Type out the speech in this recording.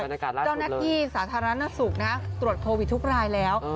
เจ้าหน้าที่สาธารณสุขตรวจโควิดทุกรายแล้ว